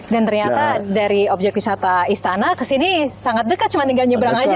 dan ternyata dari objek wisata istana ke sini sangat dekat cuma tinggal nyebrang aja ya pak ya